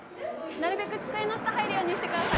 なるべく机の下入るようにして下さい！